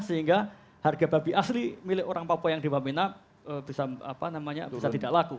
sehingga harga babi asli milik orang papua yang di wamena bisa tidak laku